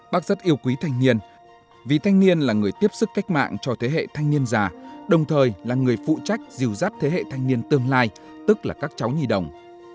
bác rất yêu quý thanh niên vì thanh niên là người tiếp sức cách mạng cho thế hệ thanh niên già đồng thời là người phụ trách dìu dắt thế hệ thanh niên tương lai tức là các cháu nhì đồng